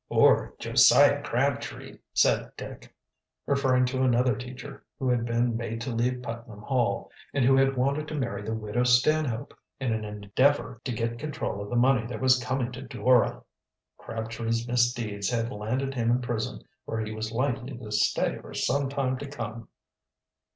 "Or Josiah Crabtrees," said Dick, referring to another teacher, who had been made to leave Putnam Hall, and who had wanted to marry the widow Stanhope, in an endeavor to get control of the money that was coming to Dora. Crabtree's misdeeds had landed him in prison, where he was likely to stay for some time to come.